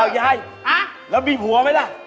ยายแล้วมีผัวไหมล่ะ